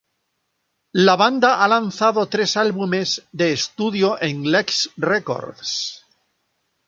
La banda ha lanzado tres álbumes de estudio en Lex Records.